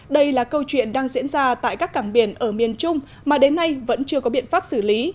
đây là câu chuyện đang diễn ra tại các cảng biển ở miền trung mà đến nay vẫn chưa có biện pháp xử lý